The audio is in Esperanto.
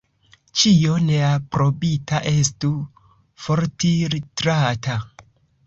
Ĉio neaprobita estu forfiltrata.